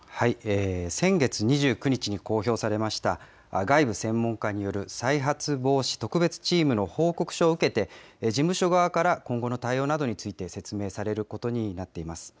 先月２９日に公表されました、外部専門家による再発防止特別チームの報告書を受けて、事務所側から今後の対応などについて、説明されることになっています。